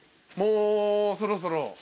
もうそろそろ。